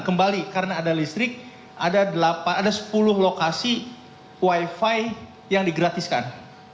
karena ada listrik ada sepuluh lokasi wi fi yang digratiskan